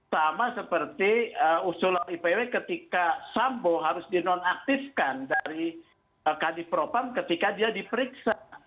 sama seperti usulan ipw ketika sambo harus dinonaktifkan dari kadif propam ketika dia diperiksa